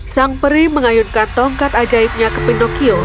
sang peri mengayunkan tongkat ajaibnya ke pindochio